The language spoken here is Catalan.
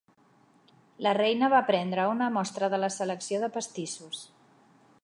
La reina va prendre una mostra de la selecció de pastissos.